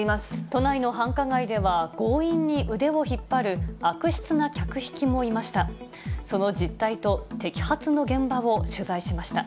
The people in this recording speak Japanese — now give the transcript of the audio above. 都内の繁華街では、強引に腕を引っ張る悪質な客引きもいました。